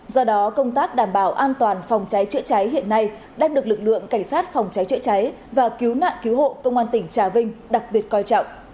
do đó công tác đảm bảo an toàn phòng cháy chữa cháy hiện nay đang được lực lượng cảnh sát phòng cháy chữa cháy và cứu nạn cứu hộ công an tỉnh trà vinh đặc biệt coi trọng